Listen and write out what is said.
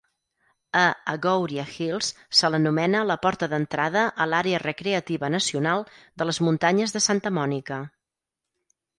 A Agouria Hills se l'anomena "la porta d'entrada a l'àrea recreativa nacional de les muntanyes de Santa Monica".